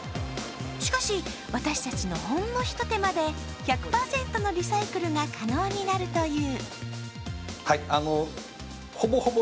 しかし、私たちのほんのひと手間で１００％のリサイクルが可能になるという。